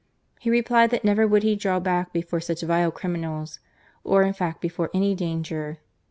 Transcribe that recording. He replied that never would he draw back before such vile criminals, or in fact before any danger.